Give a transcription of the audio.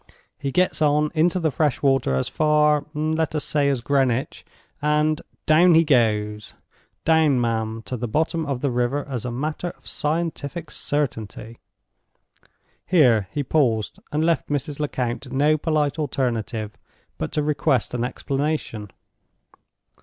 He gets on into the fresh water as far, let us say, as Greenwich; and—down he goes! Down, ma'am, to the bottom of the river, as a matter of scientific certainty!" Here he paused, and left Mrs. Lecount no polite alternative but to request an explanation.